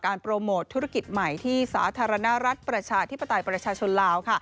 โปรโมทธุรกิจใหม่ที่สาธารณรัฐประชาธิปไตยประชาชนลาวค่ะ